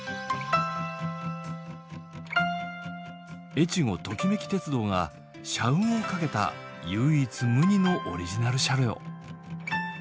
えちごトキめき鉄道が社運をかけた唯一無二のオリジナル車両。